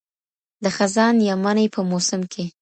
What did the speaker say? د خزان یا مني په موسم کي